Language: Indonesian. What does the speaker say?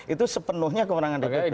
itu sepenuhnya kekurangan dpp